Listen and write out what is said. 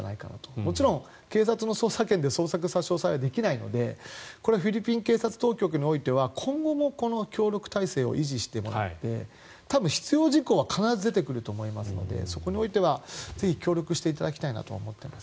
もちろん、警察の捜査権で捜索差し押さえはできないのでこれはフィリピン警察当局においては今後のこの協力体制を維持してもらって多分必要事項は出てくると思いますのでそこにおいては協力していただきたいと思います。